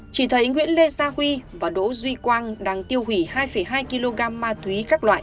chỉ thấy nguyễn lê gia huy và đỗ duy quang đang tiêu hủy hai hai kg ma túy